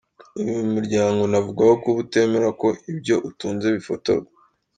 Uyu muryango unavugwaho kuba utemera ko ibyo utunze bifotorwa